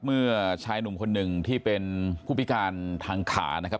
เมื่อชายหนุ่มคนหนึ่งที่เป็นผู้พิการทางขานะครับ